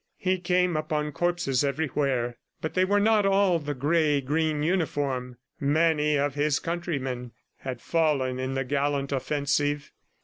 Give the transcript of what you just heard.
He came upon corpses everywhere, but they were not all the gray green uniform. Many of his countrymen had fallen in the gallant offensive.